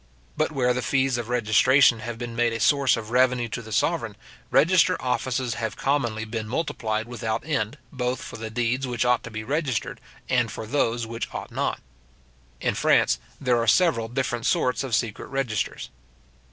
But where the fees of registration have been made a source of revenue to the sovereign, register offices have commonly been multiplied without end, both for the deeds which ought to be registered, and for those which ought not. In France there are several different sorts of secret registers.